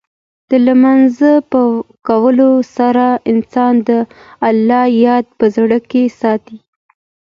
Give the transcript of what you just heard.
د لمونځ په کولو سره، انسان د الله یاد په زړه کې ساتي.